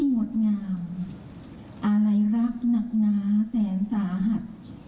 ที่งดงามอาลัยรักหนักงาแสนสาหัส